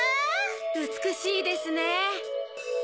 うつくしいですね。